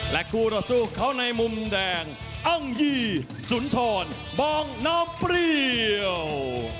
คู่ต่อสู้เขาในมุมแดงอังยีสุนทรบางน้ำเปรี้ยว